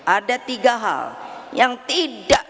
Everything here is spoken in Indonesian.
ada tiga hal yang tidak